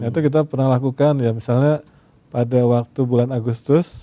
itu kita pernah lakukan ya misalnya pada waktu bulan agustus